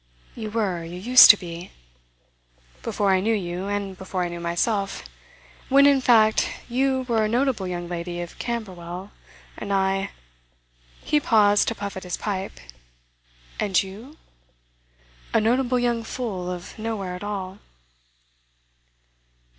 'You were you used to be?' 'Before I knew you; and before I knew myself. When, in fact, you were a notable young lady of Camberwell, and I ' He paused to puff at his pipe. 'And you?' 'A notable young fool of nowhere at all.